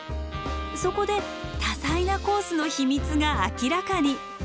そこで多彩なコースの秘密が明らかに。